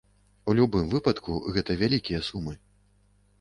У любым выпадку гэта вялікія сумы.